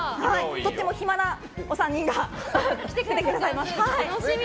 とっても暇なお三人が来てくださいます。